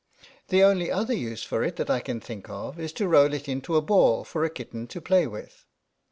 The only other use for it that I can think of is to roll it into a ball for a kitten to play with."